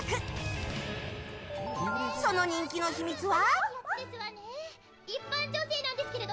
その人気の秘密は。